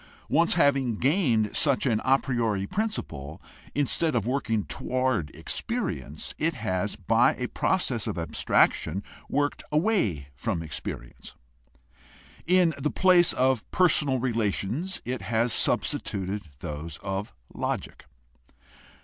Once having gained such an a priori principle, instead of working toward experience; it has by a process of abstraction worked away from experience. In the place of personal rela tions it has substituted those of logic.